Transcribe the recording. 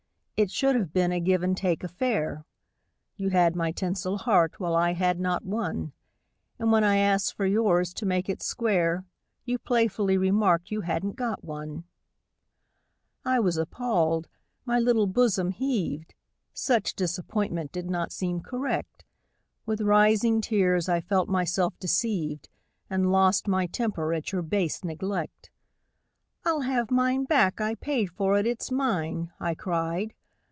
It should have been a give and take affair; You had my tinsel heart, while I had not one, And when I asked for yours, to make it square, You playfully remarked you hadn't got one. 26 A VALENTINE I was appalled my little bosom heaved Such disappointment did not seem correct. With rising tears I felt myself deceived And lost my temper at your base neglect. " I'll have mine back I paid for it it's mine !" I cried.